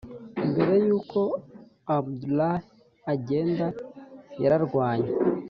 mbere yuko abdallah agenda yararwanye,